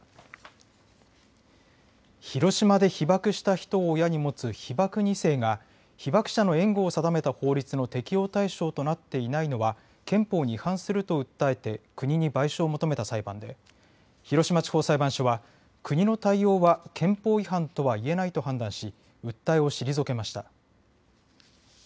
広島で被爆した人を親に持つ被爆２世が被爆者の援護を定めた法律の適用対象となっていないのは憲法に違反すると訴えて国に賠償を求めた裁判で広島地方裁判所は国の対応は憲法違反とはいえないと判断し訴えを退けました。